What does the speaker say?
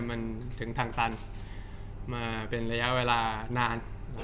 มันถึงทางตันมาเป็นระยะเวลานาน